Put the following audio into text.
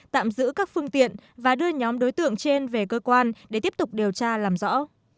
tạm giữ các phương tiện và đưa nhóm đối tượng trên về cơ quan để tiếp tục điều tra làm rõ